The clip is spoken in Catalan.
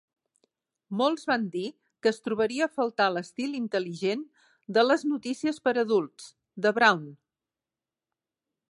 Molts van dir que es trobaria a faltar l'estil intel·ligent de les "notícies per a adults" de Brown.